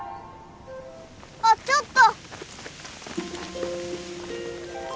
あっちょっと！